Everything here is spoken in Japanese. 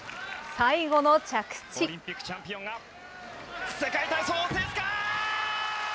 オリンピックチャンピオンが世界体操を制すか？